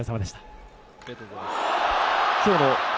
ありがとうございます。